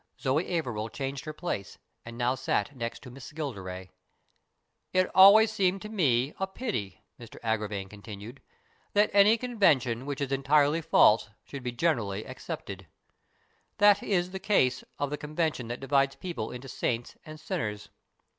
Zoe Averil changed her place and nowsat next toMissGilderay. " It always seemed to me a pity," Mr Agravine continued, " that any convention which is entirely false should be generally accepted. That is the case of the convention that divides people into saints and sinners.